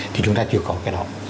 thì chúng ta chưa có cái đó